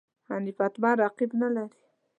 حنیف اتمر رقیب نه لري.